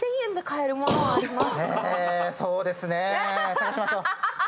探しましょう。